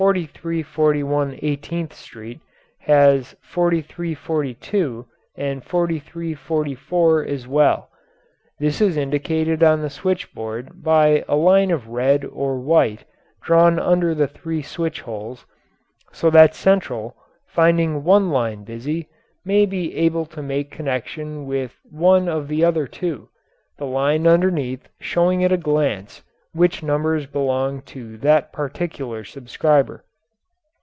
4341 Eighteenth Street, for instance, has 4342 and 4344 as well. This is indicated on the switchboard by a line of red or white drawn under the three switch holes, so that central, finding one line busy, may be able to make connection with one of the other two, the line underneath showing at a glance which numbers belong to that particular subscriber.